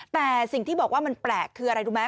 แต่สิ่งที่บอกว่ามันแปลกคืออะไรรู้ไหม